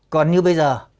còn như bây giờ